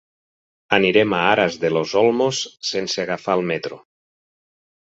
Anirem a Aras de los Olmos sense agafar el metro.